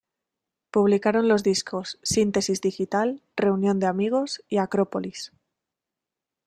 Publicaron los discos Síntesis digital, reunión de amigos y acrópolis.